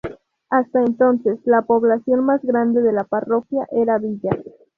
Hasta entonces la población más grande de la parroquia era Villa.